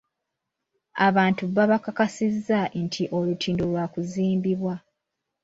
Abantu babakakasizza nti olutindo lwa kuzimbibwa.